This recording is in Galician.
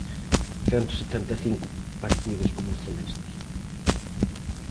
Cento setenta e cinco partidos como celeste.